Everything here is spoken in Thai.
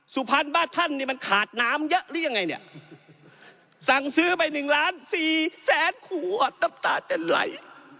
สุพรรณบ้าท่านนี่มันขาดน้ำเยอะหรือยังไงเนี่ยสั่งซื้อไป๑๔๐๐๐๐๐ขวดน้ำตาจะไหล